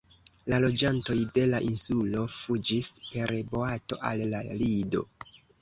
La loĝantoj de la insulo fuĝis per boato al la Lido.